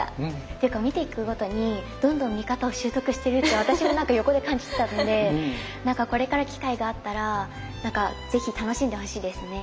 っていうか見ていくごとにどんどん見方を習得してるって私も何か横で感じてたんでこれから機会があったら是非楽しんでほしいですね。